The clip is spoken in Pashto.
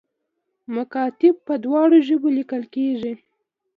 مکاتیب په دواړو ژبو لیکل کیږي